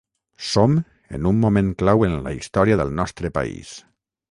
Som en un moment clau en la història del nostre país.